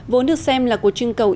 vốn được xem là cuộc trưng cầu